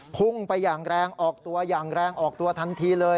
พุ่งไปอย่างแรงออกตัวอย่างแรงออกตัวทันทีเลย